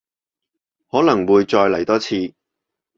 可能會再嚟多次